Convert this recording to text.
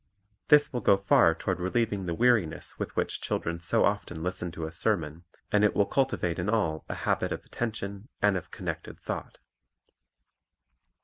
This will go far toward relieving the weariness with which children so often listen to a sermon, and it will cultivate in all a habit of attention and of connected thought.